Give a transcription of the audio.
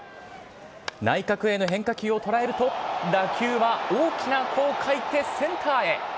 内角への変化球を捉えると、打球は大きな弧を描いてセンターへ。